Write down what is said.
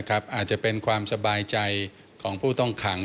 อาจจะเป็นความสบายใจของผู้ต้องขัง